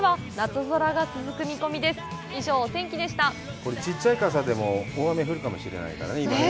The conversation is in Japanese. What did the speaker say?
これ、小さい傘でも、大雨が降るかもしれないからね。